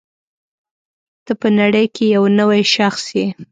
ته په نړۍ کې یو نوی شخص یې.